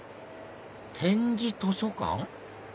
点字図書館？